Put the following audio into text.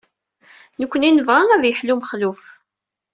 Nekkni nebɣa ad yeḥlu Mexluf.